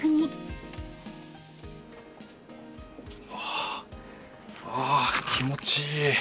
あー気持ちいい。